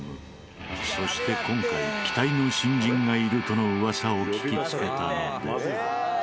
そして今回期待の新人がいるとの噂を聞きつけたので。